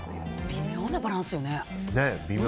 微妙なバランスよね。